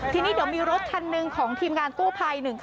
ที่นี่เดี๋ยวมีรถทันหนึ่งของทีมงานกู้ภัยหนึ่งค่ะ